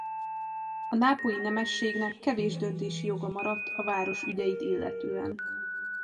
A nápolyi nemességnek kevés döntési joga maradt a város ügyeit illetően.